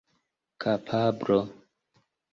kapablo